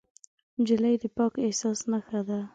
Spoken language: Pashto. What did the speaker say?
نجلۍ د پاک احساس نښه ده.